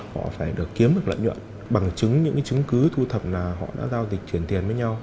họ phải được kiếm được lợi nhuận bằng chứng những cái chứng cứ thu thập là họ đã giao dịch chuyển tiền với nhau